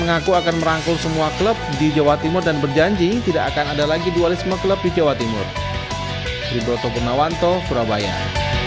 ketua umum presiden sidoarjo ini terpilih sebagai ketua umum pssi jatim